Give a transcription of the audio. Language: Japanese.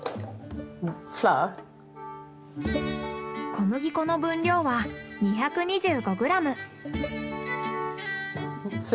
小麦粉の分量は２２５ｇ。